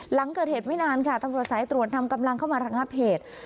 หลังเกิดเหตุไม่นานค่ะตำรวจสายตรวจนำกำลังเข้ามาระงับเหตุ